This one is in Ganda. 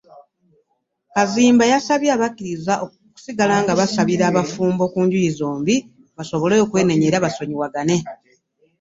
Kaziimba yasabye abakkiriza okusigala nga basabira abafumbo ku njuyi zombi basobole okwenenya era basonyiwagane.